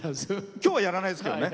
今日はやらないですけどね。